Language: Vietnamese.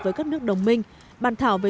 với các nước đồng minh bàn thảo về